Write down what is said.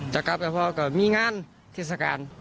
จะกลับเราก็ว่ามีงานทิศกาล